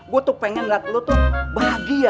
gua tuh pengen liat lo tuh bahagia